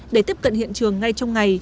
để tiếp cận hiện trường ngay trong ngày